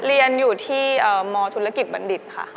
เรียนอยู่ที่มธุรกิจบัณฑิตค่ะ